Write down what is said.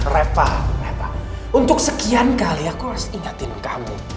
reva memang untuk sekian kali aku harus ingatin kamu